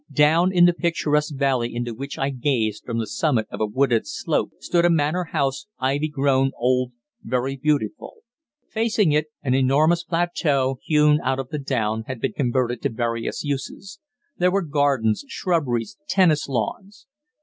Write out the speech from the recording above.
Down in the picturesque valley into which I gazed from the summit of a wooded slope stood a Manor house, ivy grown, old, very beautiful Facing it an enormous plateau, hewn out of the Down, had been converted to various uses there were gardens, shrubberies, tennis lawns.